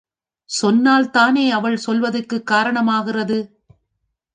சொன்னால் தானே, அவள் சொல்வதற்குக் காரணமாகிறது?